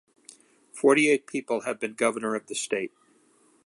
Forty-eight people have been governor of the state.